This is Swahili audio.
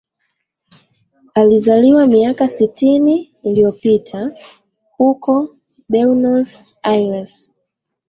Alizaliwa miaka sitini iliyopita huko Buenos Aires